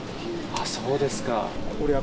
ああ、そうですか。